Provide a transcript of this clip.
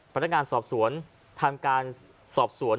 ปรัฐกาลสอบส่วนทำการสอบส่วน